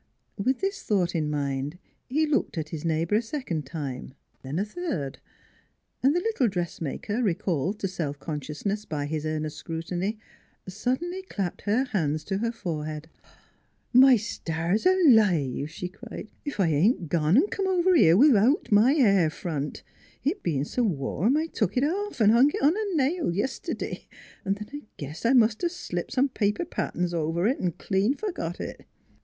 With this thought in mind, he looked at his neighbor a second time, then a third; and the little dressmaker recalled to self consciousness by his earnest scrutiny, suddenly clapped her hands to her forehead. " My stars alive !" she cried, " ef I ain't gone an' come over here without my hair front; it bein' s' warm, I took it off 'n' hung it on a nail yistiday, then I guess I must 'a' slipped some paper pat terns over it an' clean fergot it.